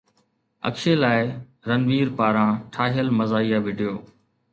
اڪشي لاءِ رنوير پاران ٺاهيل مزاحيه وڊيو